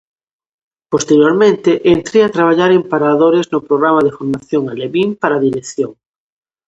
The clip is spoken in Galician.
Posteriormente entrei a traballar en paradores no programa de formación alevín para dirección.